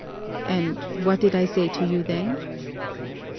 "And what did I say to you then?"